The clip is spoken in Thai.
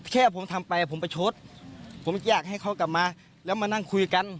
แค่ผมทำไปผมประชดผมอยากให้เขากลับมาแล้วมานั่งคุยกัน